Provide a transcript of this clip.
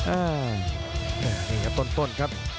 อ่านี่ครับต้นครับ